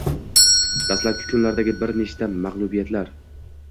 Dastlabki kunlardagi bir nechta mag‘lubiyatlar.